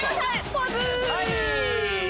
ポーズ！